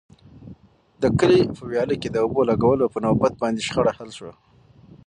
د کلي په ویاله کې د اوبو لګولو په نوبت باندې شخړه حل شوه.